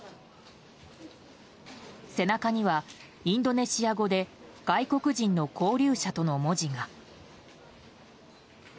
背中にはインドネシア語で外国人の拘留者との文字が。